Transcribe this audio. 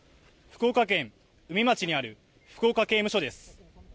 福岡県宇美町にある福岡刑務所です。